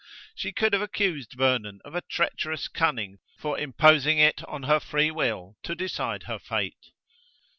She could have accused Vernon of a treacherous cunning for imposing it on her free will to decide her fate.